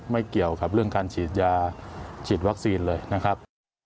ไม่เกี่ยวกับเรื่องการฉีดยาฉีดวัคซีนเลยนะครับ